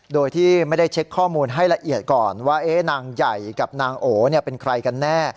โดยที่ไม่ได้เช็คข้อมูลให้ละเอียดก่อนว่านางใหญ่กับนางโอเป็นใครกันแน่